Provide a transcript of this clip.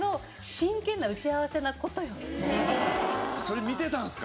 それ見てたんですか？